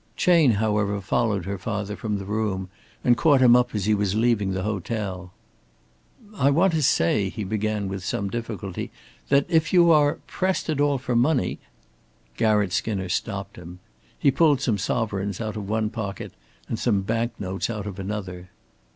Chayne, however, followed her father from the room and caught him up as he was leaving the hotel. "I want to say," he began with some difficulty, "that, if you are pressed at all for money " Garratt Skinner stopped him. He pulled some sovereigns out of one pocket and some banknotes out of another.